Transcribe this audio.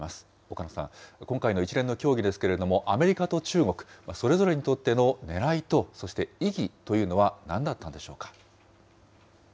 岡野さん、今回の一連の協議ですけれども、アメリカと中国、それぞれにとってのねらいと、そして意義というのはなんだったんでしょうか。